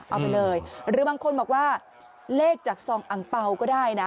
เอาไปเลยหรือบางคนบอกว่าเลขจากซองอังเปล่าก็ได้นะ